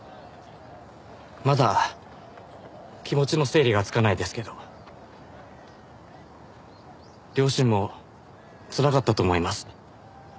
まだ気持ちの整理がつかないですけど両親もつらかったと思います。